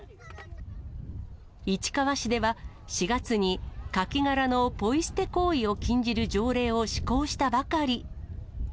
市川市では、４月に、カキ殻のポイ捨て行為を禁じる条例を施行したばかり。